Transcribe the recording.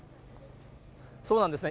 そうなんですね。